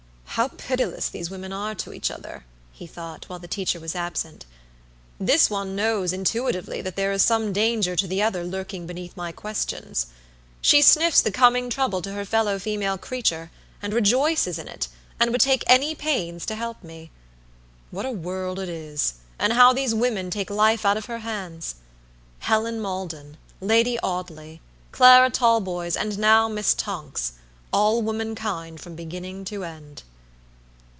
"How pitiless these women are to each other," he thought, while the teacher was absent. "This one knows intuitively that there is some danger to the other lurking beneath my questions. She sniffs the coming trouble to her fellow female creature, and rejoices in it, and would take any pains to help me. What a world it is, and how these women take life out of her hands. Helen Maldon, Lady Audley, Clara Talboys, and now Miss Tonksall womankind from beginning to end."